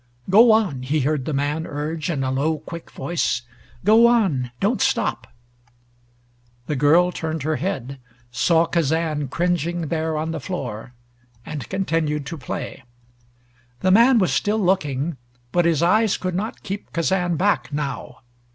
"Go on!" he heard the man urge in a low quick voice. "Go on! Don't stop!" The girl turned her head, saw Kazan cringing there on the floor, and continued to play. The man was still looking, but his eyes could not keep Kazan back now.